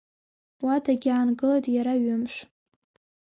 Уа дагьаангылеит Иара ҩымш.